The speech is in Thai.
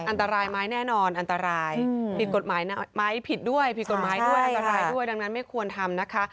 อันตรายไหมแน่นอนอันตรายผิดกฎหมายด้วยอันตรายด้วยดังนั้นไม่ควรทำนะคะ